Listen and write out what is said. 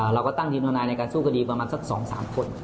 เราก็ตั้งทีมทนายในการสู้คดีประมาณสัก๒๓คน